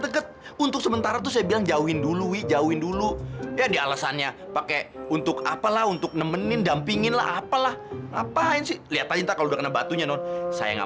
kok saya malah dipukul kepala saya